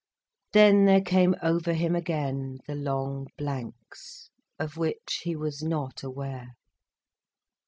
Then there came over him again the long blanks, of which he was not aware.